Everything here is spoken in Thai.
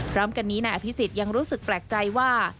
พร้อมกันนี้นายอภิษฎยังรู้สึกแปลกใจว่า